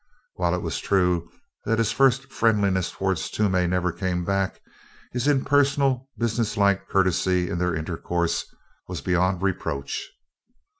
While it was true that his first friendliness towards Toomey never came back, his impersonal, businesslike courtesy in their intercourse was beyond reproach.